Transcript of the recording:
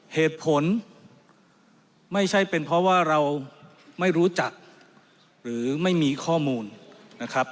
เหตุผลไม่ใช่เป็นเพราะว่าเราไม่รู้จักหรือไม่มีข้อมูลนะครับ